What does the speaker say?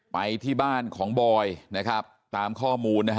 ไปที่บ้านของบอยตามข้อมูล